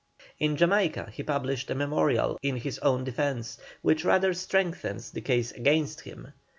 In Jamaica he published a memorial in his own defence, which rather strengthens the case against him.